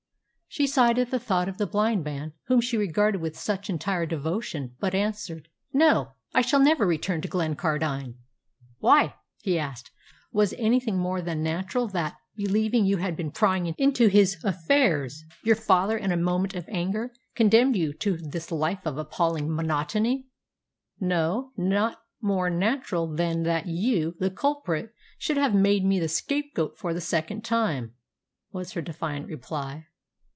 She sighed at the thought of the blind man whom she regarded with such entire devotion, but answered, "No, I shall never return to Glencardine." "Why?" he asked. "Was it anything more than natural that, believing you had been prying into his affairs, your father, in a moment of anger, condemned you to this life of appalling monotony?" "No, not more natural than that you, the culprit, should have made me the scapegoat for the second time," was her defiant reply.